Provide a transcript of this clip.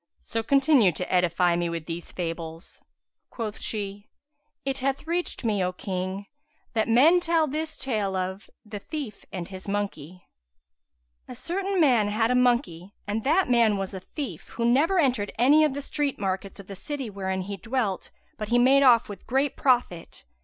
So continue to edify me with these fables." Quoth she:—It hath reached me, O King, that men tell this tale of THE THIEF AND HIS MONKEY[FN#171] A certain man had a monkey and that man was a thief, who never entered any of the street markets of the city wherein he dwelt, but he made off with great profit.